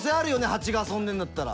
ハチが遊んでるんだったら。